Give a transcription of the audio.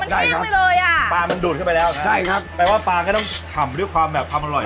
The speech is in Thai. มันแข้งไปเลยอ่ะปลามันดูดเข้าไปแล้วใช่ครับแปลว่าปลาก็ต้องถำด้วยความแบบทำอร่อย